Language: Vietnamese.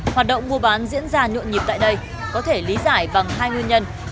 hoạt động mua bán diễn ra nhuộn nhịp tại đây có thể lý giải bằng hai nguyên nhân